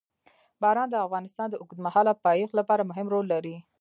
باران د افغانستان د اوږدمهاله پایښت لپاره مهم رول لري.